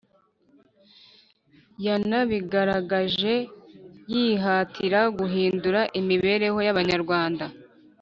yanabigaragaje yihatira guhindura imibereho y'Abanyarwanda